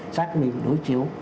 xác minh đối chiếu